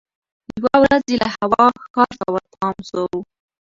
یوه ورځ یې له هوا ښار ته ورپام سو